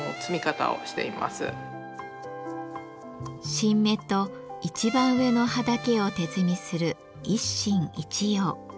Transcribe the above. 新芽と一番上の葉だけを手摘みする一芯一葉。